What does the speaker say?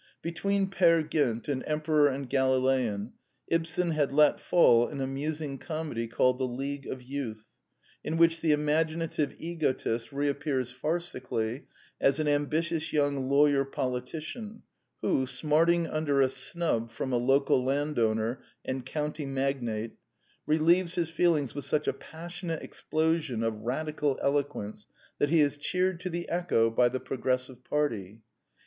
Between Peer Gynt and Em peror and Galilean, Ibsen had let fall an amusing comedy called The League of Youth {De Unges Forbund) in which the imaginative egotist reap pears farcically as an ambitious young lawyer politician who, smarting under a snub from a local landowner and county magnate, relieves his feelings with such a passionate explosion of Radi cal eloquence that he is cheered to the echo by the progressive party.